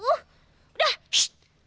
aku tuh kabur bukan cuma karena itu